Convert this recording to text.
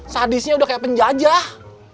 sadisnya udah kayak penjajah